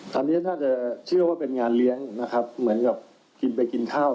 ตอนนี้น่าจะเชื่อว่าเป็นงานเลี้ยงนะครับเหมือนกับกินไปกินข้าว